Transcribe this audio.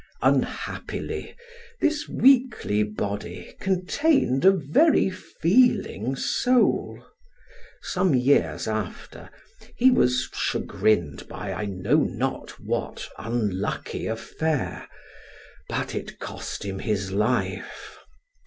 Unhappily, this weakly body contained a very feeling soul. Some years after, he was chagrined by I know not what unlucky affair, but it cost him his life.